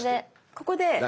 ここで。